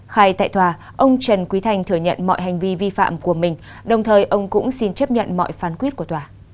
khai tại tòa ông trần quý thanh thừa nhận mọi hành vi vi phạm của mình đồng thời ông cũng xin chấp nhận mọi phán quyết của tòa